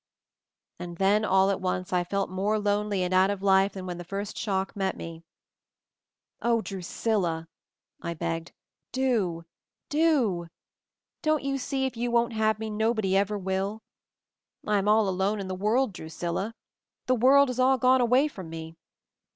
And then, all at once I felt more lonely and out of life than when the first shock met me. "O, Drusilla!" I begged; "Do do! Don't you see, if you won't have me nobody ever will? I am all alone in the world, Drusilla; 290 MOVING THE MOUNTAIN the world has all gone away from me